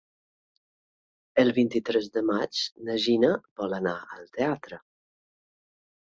El vint-i-tres de maig na Gina vol anar al teatre.